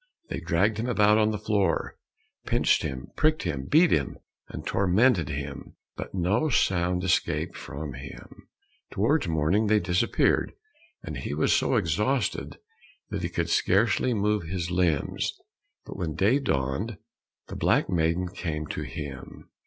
They dragged him about on the floor, pinched him, pricked him, beat him, and tormented him, but no sound escaped from him. Towards morning they disappeared, and he was so exhausted that he could scarcely move his limbs, but when day dawned the black maiden came to him.